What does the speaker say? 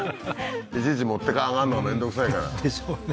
いちいち持って上がんのが面倒くさいからでしょうね